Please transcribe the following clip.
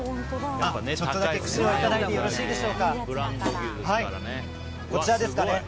ちょっとだけ串をいただいてよろしいでしょうか。